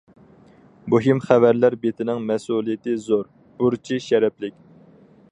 مۇھىم خەۋەرلەر بېتىنىڭ مەسئۇلىيىتى زور، بۇرچى شەرەپلىك.